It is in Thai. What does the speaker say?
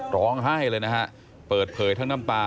ร้องไห้เลยนะฮะเปิดเผยทั้งน้ำตา